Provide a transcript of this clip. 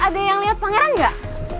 ada yang liat pangeran gak